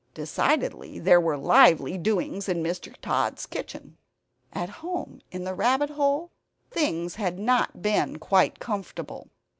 Decidedly there were lively doings in Mr. Tod's kitchen! At home in the rabbit hole, things had not been quite comfortable.